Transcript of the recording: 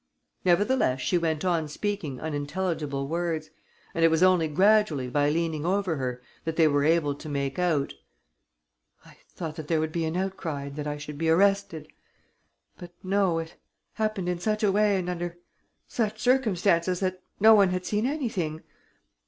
Nevertheless, she went on speaking unintelligible words; and it was only gradually by leaning over her, that they were able to make out: "I thought that there would be an outcry and that I should be arrested. But no. It happened in such a way and under such conditions that no one had seen anything.